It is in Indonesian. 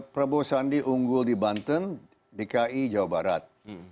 prabowo sandi unggul di banten dki jawa barat